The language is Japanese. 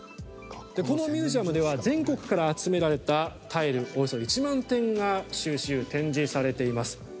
このミュージアムでは全国から集められたタイルおよそ１万点が収集、展示されています。